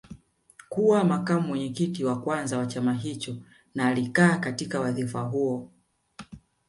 Kuwa makamu mwenyekiti wa kwanza wa chama hicho na alikaa katika wadhifa huo